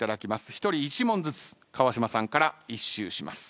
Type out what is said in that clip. １人１問ずつ川島さんから１周します。